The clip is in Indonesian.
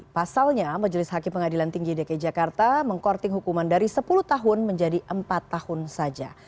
pasalnya majelis hakim pengadilan tinggi dki jakarta meng courting hukuman dari sepuluh tahun menjadi empat tahun saja